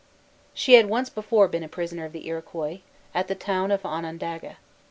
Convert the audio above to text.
She had once before been a prisoner of the Iroquois, at the town of Onondaga.